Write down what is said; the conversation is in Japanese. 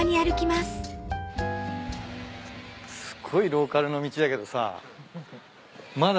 すっごいローカルの道だけどさまだ